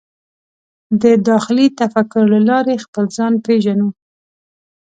د داخلي تفکر له لارې خپل ځان پېژنو.